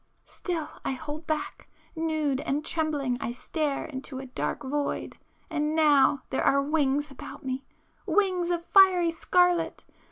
Still I hold back,—nude and trembling I stare into a dark void—and now there are wings about me,—wings of fiery scarlet!